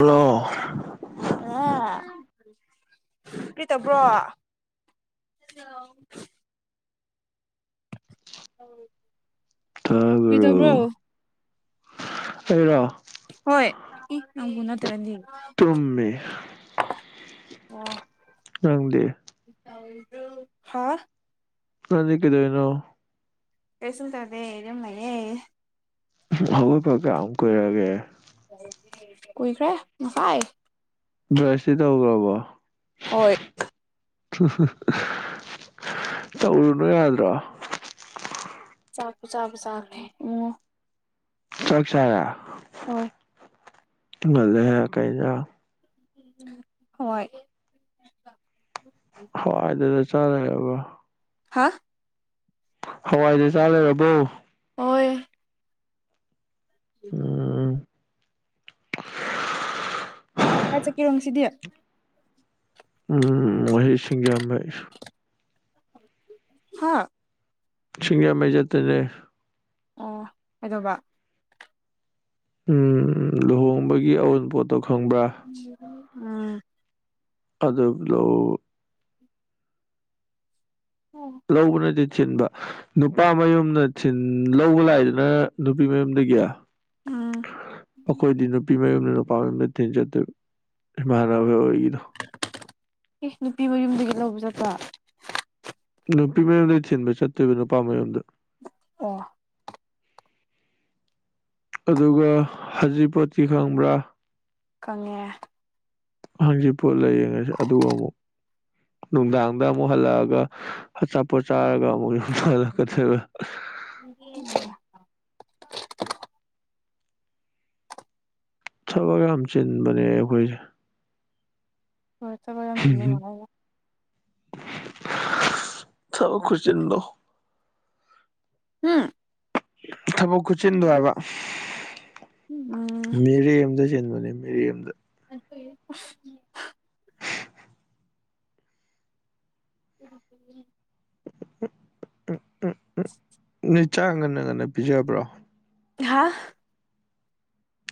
hello [unintelligible] ꯀꯩ ꯇꯧꯕ꯭ꯔꫭ [unintelligible] [unintelligible] ꯇꯥꯕ꯭ꯔꯣ ꯀꯩꯗꯧꯕ꯭ꯔꫭ ꯑꯩꯔꯣ ꯍꯣꯏ ꯅꯪꯕꯨ ꯅꯠꯇ꯭ꯔꯗꯤ ꯇꯨꯝꯃꯦ ꯑꯣ ꯅꯪꯗꯤ [unintelligible] ꯍꯥꯥ ꯅꯪꯗꯤ ꯀꯩꯗꯧꯔꯤꯅꯣ ꯑꯩꯁꯨ [unintelligible] ꯌꯨꯝ ꯂꯩꯌꯦ ꯍꯧꯒꯠꯄ ꯀꯌꯥꯝ ꯀꯨꯏꯔꯒꯦ ꯀꯨꯏꯈ꯭ꯔꯦ ꯉꯁꯥꯏ ꯕ꯭ꯔꯁꯇꯤ ꯇꯧꯒ꯭ꯔꯕꯣ ꯍꯣꯏ [unintelligible] ꯇꯧꯔꯨꯅꯨ ꯌꯥꯗ꯭ꯔꯣ [unintelligible] ꯆꯥꯛ ꯆꯥꯔꯦ ꯍꯣꯏ ꯉꯜꯂꯦꯍꯦ ꯀꯩꯅ ꯍꯣꯏ ꯍꯋꯥꯏꯗꯨꯗ ꯆꯥ ꯂꯩꯔꯕꯣ ꯍꯥ ꯍꯋꯥꯏꯗ ꯆꯥ ꯂꯩꯔꯕꯣ ꯑꯣꯏ [inaudible] ꯎꯝ ꯀꯥꯏ ꯆꯠꯀꯦꯔꯣ ꯉꯁꯤꯗꯤ ꯎꯝ ꯃꯣꯍꯤ ꯁꯤꯡꯖꯥꯝꯃꯩ ꯍꯥꯥ ꯁꯤꯡꯖꯝꯃꯩ ꯆꯠꯇꯣꯏꯅꯦ ꯑꯣ ꯀꯩꯗꯧꯕ ꯎꯝ ꯂꯨꯍꯣꯡꯕꯒꯤ ꯑꯎꯟ ꯄꯣꯠꯇꯣ ꯈꯪꯕ꯭ꯔꯥ ꯎꯝ ꯑꯗꯨ ꯂꯣ ꯂꯧꯕ ꯅꯠꯇꯦ ꯊꯤꯟꯕ ꯅꯨꯄꯥ ꯃꯌꯨꯝꯅ ꯊꯤꯟ ꯂꯧꯕ ꯂꯥꯛꯏꯗꯨꯅ ꯅꯨꯄꯤ ꯃꯌꯨꯝ ꯇꯒꯤ ꯎꯝ ꯑꯩꯈꯣꯏꯗꯤ ꯅꯨꯄꯤ ꯃꯌꯨꯝꯅ ꯄꯥꯡꯅ ꯊꯤꯟ ꯆꯠꯇꯣꯏꯕ ꯏꯃꯥꯟꯅꯕ ꯍꯣꯏꯒꯤꯗꯣ ꯑꯦ ꯅꯨꯄꯤ ꯃꯌꯨꯝꯗꯒꯤ ꯂꯧꯕ ꯆꯠꯄ ꯅꯨꯄꯤ ꯃꯌꯨꯝꯗꯩ ꯊꯤꯟꯕ ꯆꯠꯇꯣꯏꯕ ꯅꯨꯄꯥ ꯃꯌꯨꯝꯗ ꯑꯣ ꯑꯗꯨꯒ ꯍꯖꯤꯛꯄꯣꯠꯇꯤ ꯈꯪꯕ꯭ꯔꯥ ꯈꯪꯉꯦ ꯍꯪꯖꯤꯄꯣꯠ ꯂꯩꯌꯦ ꯉꯁꯤ ꯑꯗꯨ ꯑꯃꯨꯛ ꯅꯨꯡꯗꯥꯡꯗ ꯑꯃꯨꯛ ꯍꯜꯂꯛꯑꯒ ꯑꯆꯥꯄꯣꯠ ꯆꯥꯔꯒ ꯑꯃꯨꯛ ꯌꯨꯝꯗ ꯍꯜꯂꯛꯀꯗꯣꯏꯕ [inaudible] ꯊꯕꯛ ꯌꯥꯝ ꯆꯤꯟꯕꯅꯦ ꯑꯩꯈꯣꯏꯖꯦ ꯍꯣꯏ ꯊꯕꯛ ꯌꯥꯝ ꯆꯤꯟꯕ ꯃꯥꯂꯦꯕ ꯊꯕꯛ ꯈꯨꯆꯤꯟꯗꯣ ꯍꯨꯝ ꯊꯕꯛ ꯈꯨꯆꯤꯟꯗꯣ ꯍꯥꯏꯕ ꯎꯝ ꯃꯤꯔꯦꯝꯗ ꯆꯤꯟꯕꯅꯦ ꯃꯤꯔꯦꯝꯗ [inaudible] [inaudible] ꯎꯝ ꯎꯝ ꯎꯝ ꯅꯣꯏ ꯆꯥꯡ ꯉꯟꯅ ꯉꯟꯅ ꯄꯤꯖꯕ꯭ꯔꯣ ꯍꯥ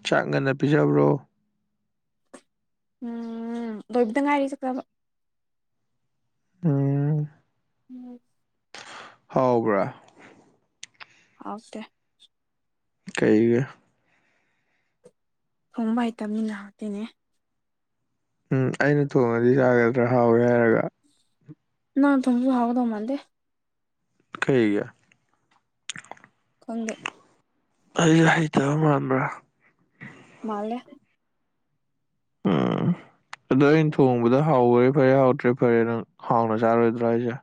ꯆꯥꯛ ꯉꯟꯅ ꯄꯤꯖꯕ꯭ꯔꯣ ꯎꯝ ꯂꯣꯏꯕꯗ ꯉꯥꯏꯔꯤ ꯆꯥꯛ ꯆꯥꯕ ꯎꯝ [inaudible] ꯍꯥꯎꯕ꯭ꯔꯥ ꯍꯥꯎꯇꯦ ꯀꯩꯒꯤ ꯊꯣꯡꯕ ꯍꯥꯏꯇꯝꯅꯤꯅ ꯍꯩꯇꯕꯅꯤꯅ [unintelligible] ꯎꯝ ꯑꯩꯅ ꯊꯣꯡꯉꯗꯤ ꯆꯥꯒꯗ꯭ꯔꯥ ꯍꯥꯎꯋꯦ ꯍꯥꯏꯔꯒ ꯅꯪꯅ ꯊꯣꯡꯑꯁꯨ ꯍꯥꯎꯒꯗꯧꯕ ꯃꯥꯟꯗꯦ ꯀꯩꯒꯤ ꯈꯪꯗꯦ ꯑꯩ ꯍꯩꯇꯕ ꯃꯥꯟꯕ꯭ꯔꯥ ꯃꯥꯜꯂꯦ ꯎꯝ ꯑꯗꯣ ꯑꯩꯅ ꯊꯣꯡꯕꯗ ꯍꯥꯎꯔꯦ ꯐꯔꯦ ꯍꯥꯎꯇ꯭ꯔꯦ ꯐꯔꯦ ꯅꯪ ꯍꯥꯎꯅ ꯆꯥꯔꯣꯏꯗ꯭ꯔꯥ ꯍꯥꯏꯁꯦ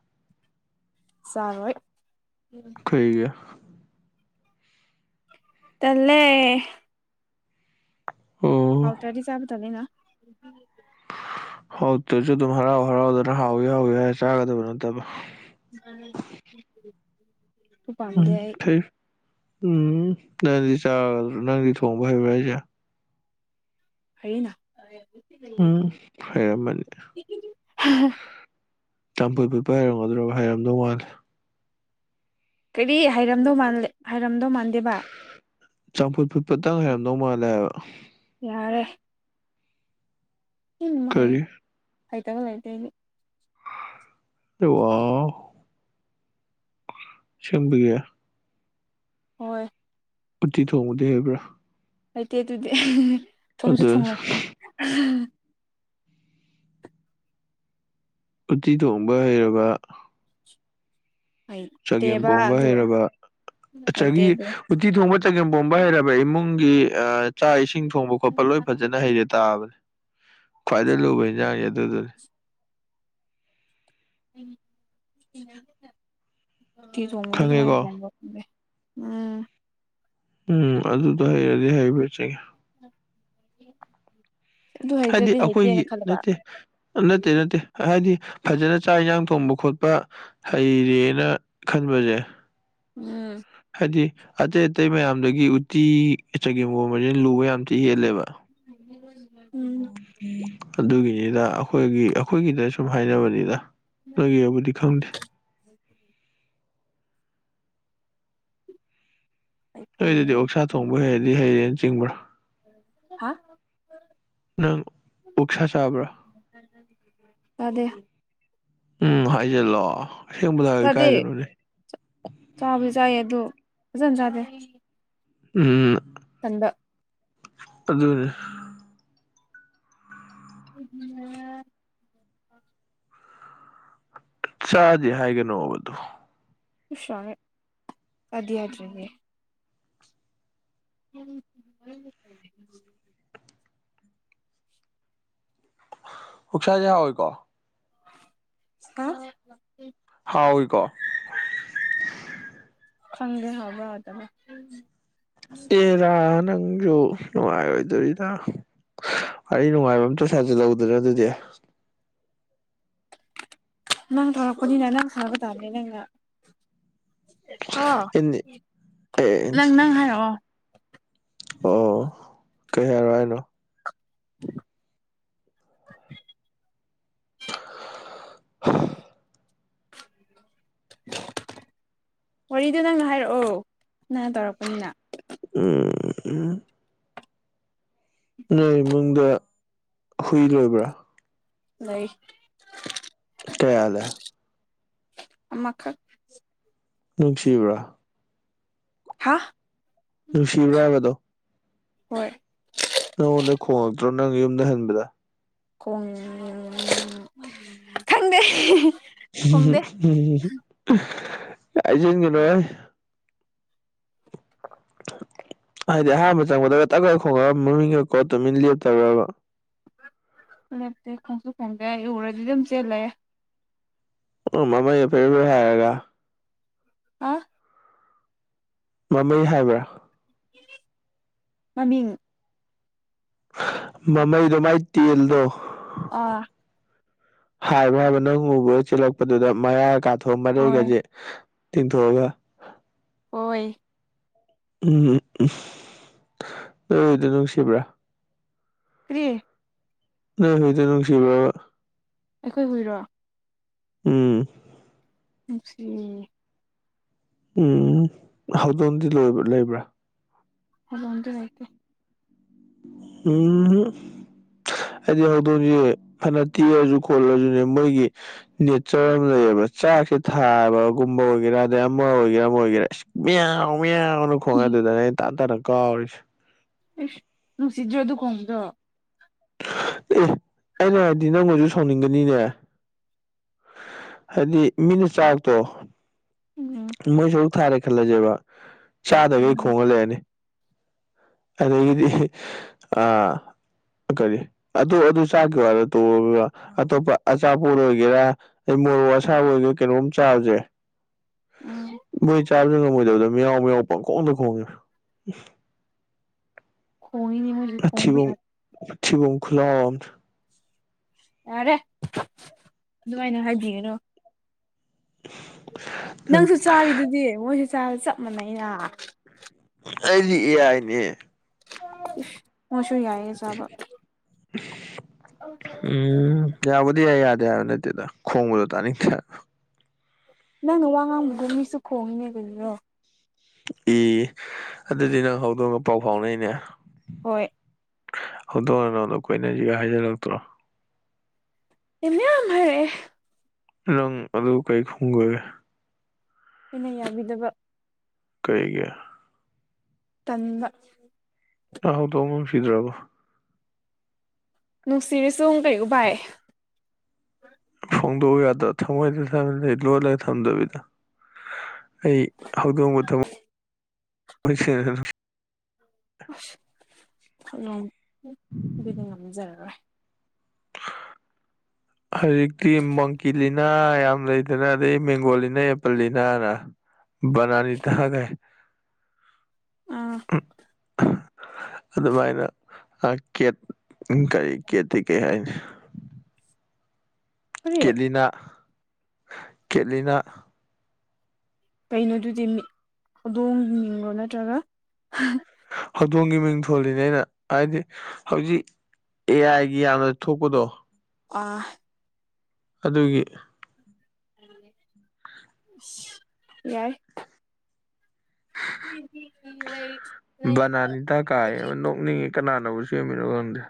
ꯆꯥꯎꯔꯣꯏ ꯀꯩꯒꯤ [inaudible] ꯑꯣ ꯍꯥꯎꯇꯗꯤ ꯆꯥꯕ ꯇꯜꯂꯤꯅ ꯍꯥꯎꯇꯁꯨ ꯑꯗꯨꯝ ꯍꯔꯥꯎ ꯍꯔꯥꯎꯗꯅ ꯍꯥꯎꯏ ꯍꯥꯎꯏ ꯆꯥꯒꯗꯕ ꯅꯠꯇꯕ [unintelligible] ꯎꯝ ꯄꯥꯝꯗꯦ ꯑꯩ ꯊꯩ ꯎꯝ ꯅꯪꯗꯤ ꯆꯥ ꯅꯪꯗꯤ ꯊꯣꯡꯕ ꯍꯩꯕ꯭ꯔꯥ ꯍꯥꯏꯁꯦ ꯐꯩꯅ ꯎꯝ ꯍꯩꯔꯃꯅꯤꯗ ꯆꯝꯐꯨ ꯐꯨꯠꯄ ꯍꯔꯝꯒꯗ꯭ꯔꯕ ꯍꯥꯏꯔꯝꯗꯧ ꯃꯥꯜꯂꯦ ꯀꯔꯤ ꯍꯥꯏꯔꯝꯗꯧ ꯍꯥꯏꯔꯝꯗꯧ ꯃꯥꯟꯗꯦꯕ ꯆꯝꯐꯨꯠ ꯐꯨꯠ ꯐꯇꯪ ꯍꯥꯏꯔꯝꯗꯧ ꯃꯥꯜꯂꯦ ꯍꯥꯏꯕ ꯌꯥꯔꯦ ꯎꯝ ꯍꯩꯌꯦ ꯀꯔꯤ ꯍꯩꯇꯕ ꯂꯩꯇꯦ ꯑꯩꯗꯤ ꯋꯥ ꯑꯁꯦꯡꯕꯒꯤ ꯍꯣꯏ ꯎꯠꯇꯤ ꯊꯣꯡꯕꯗꯝ ꯍꯩꯕ꯭ꯔꯥ ꯍꯩꯇꯦꯇꯦ ꯑꯗꯨꯗꯤ ꯊꯣꯡꯁꯨ ꯑꯗꯨ ꯊꯣꯡꯂꯛꯀꯦ ꯎꯠꯇꯤ ꯊꯣꯡꯕ ꯍꯩꯔꯕ ꯍꯩꯇꯦꯕ ꯆꯒꯦꯝꯄꯣꯝꯕ ꯑꯗꯨ ꯍꯩꯔꯕ ꯍꯩꯇꯦ ꯑꯠꯆꯥꯒꯤ ꯑꯗꯨ ꯎꯇꯤ ꯊꯣꯡꯕ ꯆꯒꯦꯝꯄꯣꯝꯕ ꯍꯩꯔꯕ ꯏꯃꯨꯡꯒꯤ ꯆꯥꯛ ꯏꯁꯤꯡ ꯊꯣꯡꯕ ꯈꯣꯠꯄ ꯂꯣꯏ ꯐꯖꯅ ꯍꯩꯔꯦ ꯇꯥꯕꯅꯤ ꯈ꯭ꯋꯥꯏꯗꯒꯤ ꯂꯨꯕ ꯏꯟꯖꯥꯡꯁꯦ ꯑꯗꯨꯗꯨꯅꯤ ꯈꯪꯉꯦꯀꯣ [unintelligible] ꯎꯝ ꯎꯝ ꯑꯗꯨꯗ ꯍꯩꯔꯗꯤ ꯍꯩꯕꯆꯤꯡꯢ [unintelligible] ꯍꯥꯏꯗꯤ ꯍꯩꯇ꯭ꯔꯗꯤ ꯑꯩꯈꯣꯏꯒꯤ ꯍꯩꯇꯦꯅ ꯈꯜꯂꯕ ꯅꯠꯇꯦ ꯅꯠꯇꯦ ꯅꯠꯇꯦ ꯍꯥꯏꯗꯤ ꯐꯖꯅ ꯆꯥꯛ ꯌꯦꯟꯁꯥꯡ ꯊꯣꯡꯕ ꯈꯣꯠꯄ ꯍꯩꯔꯦꯅ ꯈꯟꯕꯁꯦ ꯎꯝ ꯍꯥꯏꯗꯤ ꯑꯇꯩ ꯑꯇꯩ ꯃꯌꯥꯝꯗꯒꯤ ꯎꯇꯤ ꯆꯒꯦꯝꯒꯣꯕꯅꯤꯅ ꯂꯨꯕ ꯌꯥꯝꯇꯤ ꯍꯦꯜꯂꯦꯕ ꯎꯝ ꯑꯗꯨꯒꯤꯅꯤꯗ ꯑꯩꯈꯣꯏꯒꯤ ꯑꯩꯈꯣꯏꯒꯤꯗ ꯁꯨꯝ ꯍꯥꯏꯅꯕꯅꯤꯗ ꯅꯣꯏꯒꯤꯕꯨꯗꯤ ꯈꯪꯗꯦ ꯅꯣꯏ ꯑꯗꯨꯗꯤ ꯑꯣꯛꯁꯥ ꯊꯣꯡꯕ ꯍꯩꯔꯗꯤ ꯍꯩꯔꯦꯅ ꯆꯤꯡꯕ꯭ꯔꯣ ꯍꯥ ꯅꯪ ꯑꯣꯛꯁꯥ ꯆꯥꯕ꯭ꯔꯥ ꯆꯥꯗꯦ ꯎꯝ ꯍꯥꯏꯖꯜꯂꯣ ꯆꯥꯗꯦ ꯆꯥꯕꯨꯗꯤ ꯆꯥꯏ ꯑꯗꯨ ꯐꯖꯅ ꯆꯥꯗꯦ ꯎꯝ ꯇꯟꯕ ꯑꯗꯨꯅꯤ [unintelligible] ꯆꯥꯗꯦ ꯍꯥꯏꯒꯅꯣꯕꯗꯨ ꯏꯁ ꯌꯥꯔꯦ ꯍꯥꯏꯗꯤ ꯍꯥꯢꯗꯔꯤꯅꯦ ꯎꯝ [unintelligible] ꯍꯣꯛꯁꯥꯖꯤ ꯍꯥꯎꯏꯀꯣ ꯍꯥ [unintelligible] ꯍꯥꯎꯋꯤꯀꯣ ꯈꯪꯗꯦ ꯍꯥꯎꯕ꯭ꯔꯥ ꯍꯥꯎꯇꯕ꯭ꯔꯥ ꯑꯦꯔꯥ ꯅꯪꯖꯨ ꯅꯨꯡꯉꯥꯏꯔꯣꯏꯗꯣꯔꯤꯗ ꯋꯥꯔꯤ ꯅꯨꯡꯉꯥꯏꯕ ꯑꯝꯇ ꯁꯥꯖꯜ ꯂꯛꯎꯗꯅ ꯑꯗꯨꯗꯤ ꯅꯪ ꯊꯧꯔꯄꯅꯤꯅꯥ ꯅꯪ ꯁꯥꯕ ꯇꯥꯕꯅꯦ ꯅꯪꯅ ꯍꯣ ꯑꯦꯅꯤ ꯑꯦ ꯅꯪ ꯅꯪ ꯍꯥꯏꯔꯛꯑꯣ ꯑꯣ ꯀꯩ ꯍꯥꯏꯔꯛ ꯑꯣ ꯍꯥꯏꯅꯣ [inaudible] ꯋꯥꯔꯤꯗ ꯅꯪꯅ ꯍꯥꯏꯔꯛꯑꯣ ꯅꯪꯅ ꯇꯧꯔꯛꯄꯅꯤꯅ ꯑꯝ ꯑꯝ ꯅꯣꯏ ꯏꯃꯨꯡꯗ ꯍꯨꯏ ꯂꯣꯏꯕ꯭ꯔꯥ ꯂꯩ ꯀꯌꯥ ꯂꯩ ꯑꯃ ꯈꯛ ꯅꯨꯡꯁꯤꯕ꯭ꯔꯥ ꯍꯥꯥ ꯅꯨꯡꯁꯤꯕ꯭ꯔꯥ ꯍꯥꯏꯕꯗꯣ ꯍꯣꯏ ꯅꯪꯉꯣꯟꯗ ꯈꯣꯡꯉꯛꯇ꯭ꯔꯣ ꯅꯪ ꯌꯨꯝꯗ ꯍꯟꯕꯗ ꯈꯣꯡ ꯈꯪꯗꯦ ꯈꯣꯡꯗꯦ [unintelligible] ꯍꯥꯏꯖꯤꯟꯒꯅꯨꯍꯦ ꯍꯥꯏꯗꯤ ꯑꯍꯥꯟꯕ ꯆꯪꯕꯗꯒ ꯇꯛꯈ ꯈꯣꯡꯉꯥ ꯃꯃꯤꯡꯒ ꯀꯣ ꯇꯨꯃꯤꯟ ꯂꯦꯞꯇꯕ꯭ꯔꯕ ꯂꯦꯞꯇꯦ ꯈꯣꯡꯁꯨ ꯈꯣꯡꯗꯦ ꯑꯩ ꯎꯔꯗꯤ ꯑꯗꯨꯝ ꯆꯦꯜꯂꯦ ꯑꯣ ꯃꯃꯩꯒ ꯐꯦꯔꯦ ꯐꯦꯔꯦ ꯍꯥꯏꯔꯒ ꯑꯥ ꯃꯃꯩ ꯍꯥꯏꯕ꯭ꯔꯥ ꯃꯃꯤꯡ ꯃꯃꯩꯗꯣ ꯃꯥꯏ ꯇꯦꯜꯗꯣ ꯑꯥ ꯍꯥꯏꯕ꯭ꯔꯥ ꯍꯥꯏꯕ ꯅꯪ ꯎꯕ ꯆꯦꯜꯂꯛꯄꯗꯨꯗ ꯃꯌꯥ ꯀꯥꯊꯣꯛꯑꯒ ꯍꯣꯏ ꯃꯔꯩꯒꯁꯦ ꯇꯤꯟ ꯊꯣꯔꯒ ꯑꯣꯏ ꯎꯝ ꯎꯝ ꯎꯝ ꯅꯣꯏ ꯖꯨꯏꯗꯣ ꯅꯨꯡꯁꯤꯕ꯭ꯔ ꯀ꯭ꯔꯤ ꯅꯣꯏ ꯍꯨꯏꯗ ꯅꯨꯡꯁꯤꯕ꯭ꯔꯕ ꯑꯩꯈꯣꯏ ꯍꯨꯏꯔꯣ ꯎꯝ ꯅꯨꯁꯤꯌꯦ ꯎꯝ ꯍꯧꯗꯣꯡꯗꯤ ꯂꯣꯕ꯭ꯔ ꯂꯩꯕ꯭ꯔ ꯍꯧꯗꯣꯡꯗꯤ ꯂꯩꯇꯦ ꯎꯝ ꯍꯨꯝ ꯍꯥꯏꯗꯤ ꯍꯧꯗꯣꯡꯖꯤ ꯐꯅ ꯇꯤꯔꯁꯨ ꯈꯣꯠꯂꯁꯨꯅꯦ ꯃꯣꯏꯒꯤ ꯅꯦꯆꯔ ꯑꯃ ꯂꯩꯑꯕ ꯆꯥꯛꯁꯤ ꯊꯥꯕꯒꯨꯝꯕ ꯑꯣꯏꯒꯦꯔ ꯑꯗꯩ ꯑꯃ ꯑꯣꯏꯒꯦꯔ ꯑꯃ ꯑꯣꯏꯒꯦꯔ ꯃꯤꯌꯥꯎ ꯃꯤꯌꯥꯎꯅ ꯈꯣꯡꯉꯦ ꯑꯗꯨꯗꯅꯦ ꯑꯩꯅ ꯇꯥꯟꯅ ꯇꯥꯟꯅ ꯀꯥꯎꯔꯤꯁꯦ ꯏꯁ ꯅꯨꯡꯁꯤꯗ꯭ꯔ ꯑꯗꯨ ꯈꯣꯡꯕꯗꯣ ꯑꯦ ꯑꯩꯅ ꯍꯥꯏꯗꯤ ꯅꯪ ꯑꯣꯏꯖꯨ ꯁꯥꯎꯅꯤꯡꯒꯅꯤꯅꯦ ꯍꯥꯏꯗꯤ ꯃꯤꯅ ꯆꯥꯛꯇꯣ ꯎꯝ ꯃꯣꯏ ꯁꯩꯛꯂꯪ ꯊꯥꯔꯦ ꯈꯜꯂꯖꯦꯕ ꯆꯥꯗꯕꯤꯗ ꯈꯣꯡꯉ ꯂꯩꯔꯅꯤ ꯑꯗꯒꯤꯗꯤ ꯑ ꯀꯔꯤ ꯑꯗꯨ ꯑꯗꯨ ꯆꯥꯛꯀꯤ ꯋꯥꯗꯣ ꯇꯣꯛꯑꯣꯕ ꯑꯇꯣꯞꯄ ꯑꯆꯥꯄꯣꯠ ꯑꯣꯏꯒꯦꯔ [unintelligible] ꯃꯣꯔꯣꯛ ꯑꯁꯥꯕ ꯑꯣꯏꯒꯦꯔ ꯀꯩꯅꯣꯝ ꯆꯥꯕꯖꯦ ꯎꯝ ꯃꯣꯏ ꯆꯥꯕꯖꯨ ꯉꯝꯃꯣꯏꯗꯕꯗ ꯃꯤꯌꯥꯎ ꯃꯤꯌꯥꯎ ꯄꯪꯈꯣꯡꯗ ꯈꯣꯡꯉꯤ ꯈꯣꯡꯉꯤꯅꯤ ꯃꯣꯏꯁꯨ ꯈꯣꯡꯕ ꯃꯊꯤꯕꯣꯡ ꯌꯥ ꯃꯊꯤꯕꯣꯡ ꯈꯨꯂꯥꯎꯑꯝꯅꯤ ꯌꯥꯔꯦ ꯑꯗꯨꯃꯥꯏꯅ ꯍꯥꯏꯕꯤꯒꯅꯨ ꯅꯪ ꯅꯪꯁꯨ ꯆꯥꯔꯤꯗꯨꯗꯤ ꯃꯣꯏꯁꯨ ꯆꯥꯔꯦ ꯆꯞ ꯃꯥꯟꯅꯩꯩꯅ ꯑꯩꯗꯤ ꯑꯦ ꯑꯥꯏꯅꯦ [unintelligible] ꯆꯥꯕ ꯎꯝ ꯌꯥꯕꯨꯗꯤ ꯌꯥꯏ ꯌꯥ ꯗꯦ ꯖꯥꯏꯕ ꯅꯠꯑꯦꯗ ꯈꯣꯡꯕꯗꯣ ꯇꯥꯅꯤꯡꯗꯦ ꯍꯥꯏꯕ ꯅꯪꯅ ꯋꯥ ꯉꯥꯡꯕꯒꯨꯝ ꯃꯤꯁꯨ ꯈꯣꯡꯉꯤꯅꯦ ꯀꯔꯤꯔꯣ ꯏ ꯑꯗꯨꯗꯤ ꯅꯪ ꯍꯧꯗꯣꯡꯒ ꯄꯥꯎ ꯐꯥꯎꯅꯩꯅꯦ ꯍꯣꯏ ꯍꯧꯗꯣꯡꯅ ꯅꯉꯣꯟꯗ ꯀꯣꯏꯅꯖꯤꯒꯥꯏ ꯍꯥꯏꯖꯜꯂꯛꯇ꯭ꯔꯣ ꯏ ꯃꯌꯥꯝ ꯍꯥꯏꯔꯛꯑꯦ ꯅꯪ ꯑꯗꯨ ꯀꯩ ꯈꯨꯝꯒ꯭ꯔꯒꯦ ꯑꯩꯅ ꯌꯥꯕꯤꯗꯕ ꯀꯩꯒꯤ ꯇꯟꯕ ꯅꯪ ꯍꯧꯗꯣꯡ ꯅꯨꯡꯁꯤꯗ꯭ꯔꯕꯣ ꯅꯨꯡꯁꯤꯔꯁ ꯀꯩꯝ ꯎꯚꯥꯏ ꯐꯣꯡꯗꯣꯛꯎ ꯌꯥꯗ꯭ꯔꯊꯝꯃꯣꯏꯗ [unintelligible] ꯂꯣꯠꯂꯒ ꯊꯝꯗꯕꯤꯗ ꯑꯩ ꯍꯧꯗꯣꯡꯕꯨ ꯊꯝꯃꯣꯏ ꯁꯦꯡꯅ ꯅꯨꯡꯁꯤ ꯑꯁ [unintelligible] ꯑꯗꯨꯗꯤ ꯉꯝꯖꯔꯔꯣꯏ ꯍꯧꯖꯤꯛꯇꯤ ꯃꯪꯀꯤ ꯂꯤꯅꯥ ꯌꯥꯝ ꯂꯩꯗꯅ ꯑꯗꯩ ꯃꯦꯡꯒꯣ ꯂꯤꯅꯥ ꯑꯦꯄꯜ ꯂꯤꯅꯥꯅ ꯕꯅꯥꯔꯤꯇꯥ ꯒꯥꯏꯅ ꯑꯥ [unintelligible] ꯑꯗꯨꯝꯃꯥꯏꯅ ꯑ ꯀꯦꯠ ꯀꯔꯤ ꯀꯦꯠꯇꯤ ꯀꯩ ꯍꯥꯏꯅꯤ ꯀꯔꯤ ꯀꯦꯠꯂꯤꯅꯥ ꯀꯦꯠꯂꯤꯅꯥ ꯀꯩꯅꯣꯗꯨꯗꯤ [unintelligible] ꯍꯧꯗꯣꯡ ꯃꯤꯡꯂꯣ ꯅꯠꯇ꯭ꯔꯒ [unintelligible] ꯍꯧꯗꯣꯡꯒꯤ ꯃꯤꯡ ꯊꯣꯜꯂꯤꯅꯦ ꯑꯩꯅ ꯍꯥꯏꯗꯤ ꯍꯧꯖꯤꯛ ꯑꯦ ꯑꯥꯏꯒꯤ ꯌꯥꯝꯅ ꯊꯣꯛꯄꯗꯣ ꯑꯥ ꯑꯗꯨꯒꯤ ꯌꯥꯏ ꯕꯅꯥꯅꯤꯇꯥ ꯀꯥꯏꯌꯦꯕ ꯅꯣꯛꯅꯤꯡꯉꯤ [unintelligible] ꯀꯅꯥꯅꯕꯨ ꯁꯦꯡꯃꯤꯅꯣ ꯈꯪꯗꯦ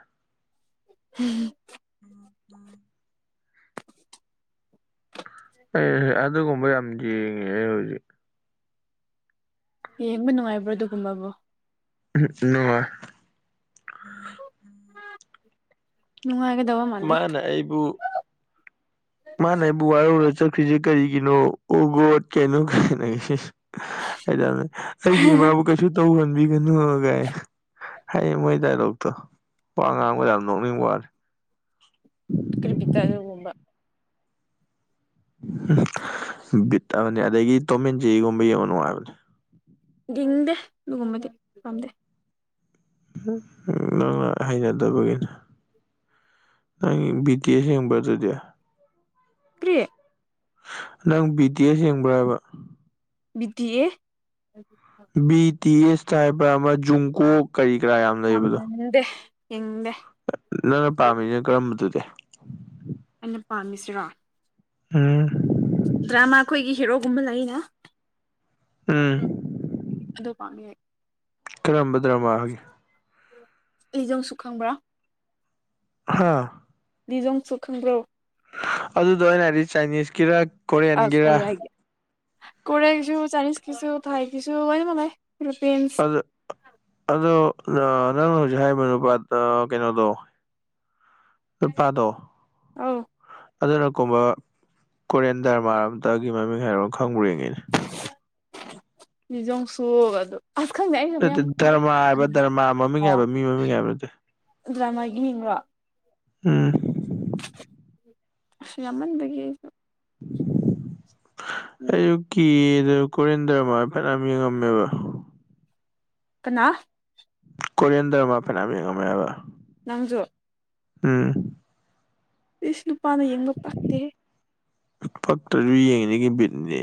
[unintelligible] [inaudible] ꯑꯦ ꯑꯗꯨꯒꯨꯝꯕ ꯌꯦꯡꯉꯦ ꯑꯩ ꯍꯧꯖꯤꯛ ꯌꯦꯡꯕ ꯅꯨꯡꯉꯥꯏꯕ꯭ꯔꯣ ꯑꯗꯨꯒꯨꯝꯕꯕꫭ [unintelligible] ꯅꯨꯡꯉꯥꯏ ꯅꯨꯡꯉꯥꯏ ꯃꯥꯅ ꯑꯩꯕꯨ ꯃꯥꯅ ꯑꯩꯕꯨ ꯋꯥꯔꯧꯔ ꯆꯠꯈ꯭ꯔꯤꯁꯦ ꯀꯔꯤꯒꯤꯅꯣ ꯑꫭ ꯒꯣꯠ ꯀꯩꯅꯣ [unintelligible] [unintelligible] ꯑꯩꯒꯤ ꯏꯃꯥꯕꯨ ꯀꯩꯁꯨ ꯇꯧꯍꯟꯕꯤꯒꯅꯨ ꯒꯥꯏꯅ ꯍꯩꯌꯦ ꯃꯣꯏ ꯗꯥꯏꯂꯣꯛꯇꯣ ꯋꯥ ꯉꯥꯡꯕꯗ ꯌꯥꯝ ꯅꯣꯛꯅꯤꯡ ꯋꯥꯅꯦ ꯀꯔꯤ ꯕꯤꯠꯇ ꯑꯗꯨꯒꯨꯝꯕ ꯕꯤꯠ ꯑꯃꯅꯦ ꯑꯗꯒꯤ ꯇꯣꯃꯦꯟ ꯖꯦꯔꯤꯒꯨꯝꯕ ꯌꯦꯡꯉꫭ ꯅꯨꯡꯉꯥꯏꯕꯅꯦ ꯌꯦꯡꯅꯤꯡꯗꯦ ꯑꯗꯨꯒꯨꯝꯕꯗꯤ ꯄꯥꯝꯗꯦ ꯅꯪꯅ ꯍꯩꯅꯗꯕꯒꯤꯅꯦ [unintelligible] ꯕꯤ ꯇꯤ ꯑꯦꯁ ꯌꯦꯡꯕ꯭ꯔ ꯑꯗꯨꯗꯤ ꯀ꯭ꯔꯤ ꯅꯪ ꯕꯤ ꯇꯤ ꯑꯦꯁ ꯌꯦꯡꯕ꯭ꯔ ꯍꯥꯏꯕ ꯕꯤ ꯇꯤ ꯌꯦ ꯕꯤ ꯇꯤ ꯑꯦꯁ [unintelligible] ꯑꯃ ꯖꯨꯡꯀꫭꯛ ꯀꯔꯤ ꯀꯔꯥ ꯌꯥꯝ [unintelligible] ꯂꯩꯕꯗꯣ ꯌꯦꯡꯅꯤꯡꯗꯦ ꯅꯪꯅ ꯄꯥꯝꯃꯤꯅ ꯀꯔꯝꯕ ꯗꯨꯗꯤ ꯄꯥꯝꯃꯤꯁꯤꯔꫭ ꯎꯝ ꯈꯣꯏꯒꯤ ꯍꯦꯔꯣꯒꯨꯝꯕ ꯂꯩꯅ ꯎꯝ ꯑꯗꯨ ꯄꯥꯝꯃꯦ ꯑꯩ ꯀꯔꯝꯕ ꯗ꯭ꯔꯃꯥꯒꯤ [unintelligible] ꯈꯪꯕ꯭ꯔ ꯍꯥꯥ ꯂꯤꯖꯣꯡꯁꯨ ꯈꯪꯕ꯭ꯔꯣ ꯑꯗꯨꯗꫭ ꯑꯩꯅ ꯍꯥꯏꯗꯤ ꯆꯥꯏꯅꯤꯁꯀꯤꯔ ꯀꯣꯔꯤꯌꯟꯒꯤꯔ ꯀꫭꯔꯤꯌꯟꯒꯤꯁꯨ ꯆꯥꯏꯅꯤꯖꯀꯤꯁꯨ ꯊꯥꯏꯒꯤꯁꯨ ꯂꫭꯏꯅꯃꯛ ꯂꯩ ꯐꯤꯂꯤꯄꯤꯟꯁ [unintelligible] ꯑꯗꯣ [unintelligible] ꯅꯪꯅ ꯍꯧꯖꯤꯛ ꯍꯥꯏꯕ ꯅꯨꯄꯥꯗꫭ ꯀꯩꯅꯣꯗꯣ ꯅꯨꯄꯥꯗꯣ ꯑꯧ ꯑꯗꯨꯅ ꯀꯨꯝꯕ ꯀꫭꯔꯤꯌꯟ ꯗꯔꯃꯥ ꯑꯝꯇꯒꯤ ꯃꯃꯤꯡ ꯍꯥꯏꯔꯑꫭ ꯈꯪꯕ꯭ꯔ ꯌꯦꯡꯒꯦꯅꯦ ꯂꯤꯖꫭꯡꯁꯨ ꯑꯗꯨ ꯑꯁ ꯈꯪꯗꯦ ꯑꯩꯁꯨ ꯅꯠꯇꯦ ꯃꯌꯥꯝ ꯈꯪꯗꯦ ꯗꯔꯃꯥ ꯍꯥꯏꯕ ꯗꯔꯃꯥ ꯃꯃꯤꯡ ꯑꯣ ꯍꯥꯏꯕ ꯃꯤ ꯃꯃꯤꯡ ꯍꯥꯏꯕ ꯅꯠꯇꯦ ꯗ꯭ꯔꯥꯃꯒꯤ ꯍꯤꯡꯔꯣ ꯎꯝ ꯑꯁ ꯌꯥꯝꯃꯟꯕꯒꯤ ꯑꯩꯁꯨ ꯈꯪꯗꯦ ꯑꯌꯨꯛꯀꯤꯗꯨ ꯀꯣꯔꯤꯌꯟ ꯗ꯭ꯔꯥꯃ ꯐꯅꯌꯥꯝ ꯌꯦꯡꯉꯝꯃꯦꯕ ꯀꯥꯅ ꯀꯣꯔꯤꯌꯟ ꯗ꯭ꯔꯥꯃ ꯐꯅꯌꯥꯝ ꯌꯦꯡꯉꯝꯃꯦꯕ ꯅꯪꯖꯨ ꯎꯝ ꯏꯁ ꯅꯨꯨꯄꯥꯅ ꯌꯦꯡꯕ ꯄꯛꯇꯦꯍꯦ ꯄꯛꯇ꯭ꯔꯥꯖꯨ ꯌꯦꯡꯉꯤꯅꯦ ꯕꯤꯠꯅꯦ